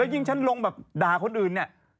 ยิ่งฉันลงแบบด่าคนอื่นเนี่ย